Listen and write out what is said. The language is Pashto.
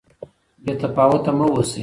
بې تفاوته مه اوسئ.